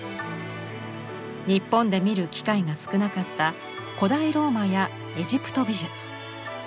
日本で見る機会が少なかった古代ローマやエジプト美術